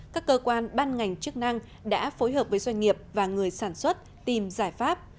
các cơ quan ban ngành chức năng đã phối hợp với doanh nghiệp và người sản xuất tìm giải pháp